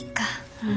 うん。